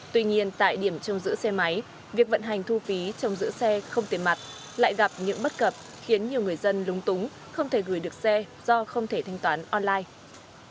tuy nhiên tại điểm trông giữ xe máy việc vận hành thu phí trong giữ xe không tiền mặt lại gặp những bất cập khiến nhiều người dân lúng túng không thể gửi được xe do không thể thanh toán online